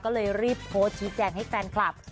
ก็เลยรีบโพสต์ชี้แจงให้แฟนคลับ